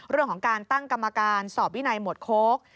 เรื่องของการตั้งกรรมการสอบวินัยหมวดโค้ก